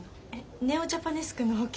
ネオジャパネスクの稽古。